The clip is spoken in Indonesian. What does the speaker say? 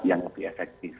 yang lebih efektif